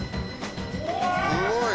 すごい。